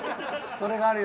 それがあるよ。